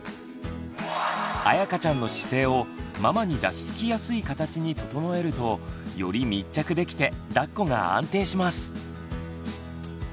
あやかちゃんの姿勢をママに抱きつきやすい形に整えるとより密着できてだっこが安定します。